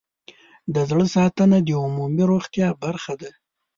د زړه ساتنه د عمومي روغتیا برخه ده.